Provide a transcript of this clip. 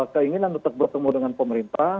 keinginan untuk bertemu dengan pemerintah